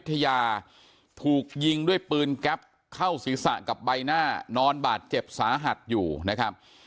ถูกยิงด้วยปืนแก๊ปเข้าศีรษะกับใบหน้านอนบาดเจ็บสาหัสอยู่นะครับ